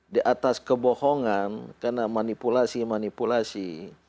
di atas kebohongan karena manipulasi manipulasi